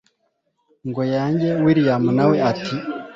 ngo yange william nawe ati